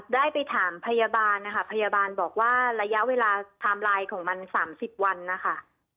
ได้ไปถามพยาบาลนะคะพยาบาลบอกว่าระยะเวลาไทม์ไลน์ของมัน๓๐วันนะคะ